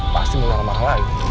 pasti mau nyala malah ya